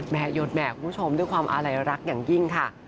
หยดแห่คุณผู้ชมด้วยความอาลัยรักอย่างยิ่งค่ะ